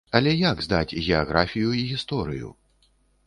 Але як здаць геаграфію і гісторыю?